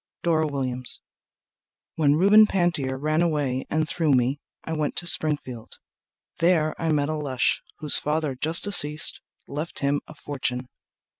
Dora Williams When Reuben Pantier ran away and threw me I went to Springfield. There I met a lush, Whose father just deceased left him a fortune.